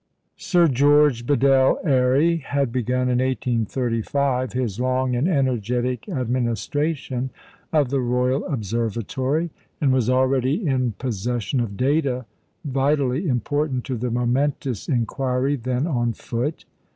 Sir George Biddell Airy had begun in 1835 his long and energetic administration of the Royal Observatory, and was already in possession of data vitally important to the momentous inquiry then on foot.